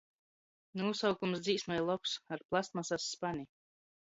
Nūsaukums dzīsmei lobs – "Ar plastmasas spani".